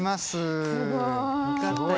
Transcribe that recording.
すごい。